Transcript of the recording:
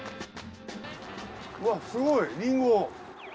わっすごいリンゴ。